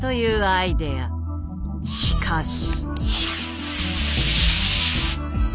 しかし。